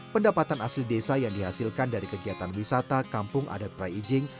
pendapatan asli desa yang dihasilkan dari kegiatan wisata kampung adat praijing